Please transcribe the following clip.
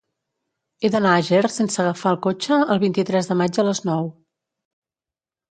He d'anar a Ger sense agafar el cotxe el vint-i-tres de maig a les nou.